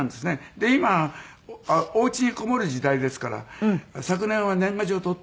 で今お家に籠もる時代ですから昨年は年賀状とっ